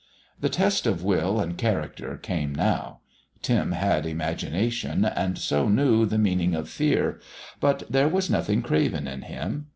The test of will and character came now. Tim had imagination, and so knew the meaning of fear; but there was nothing craven in him.